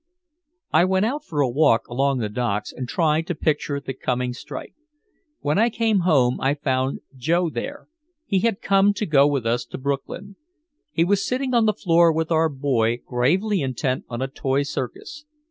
I went out for a walk along the docks and tried to picture the coming strike. When I came home I found Joe there, he had come to go with us to Brooklyn. He was sitting on the floor with our boy gravely intent on a toy circus.